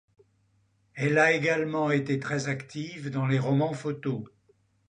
Elle a également été très active dans les romans-photos.